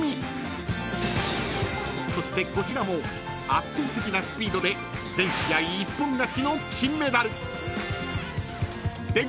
［そしてこちらも圧倒的なスピードで全試合一本勝ちの金メダル］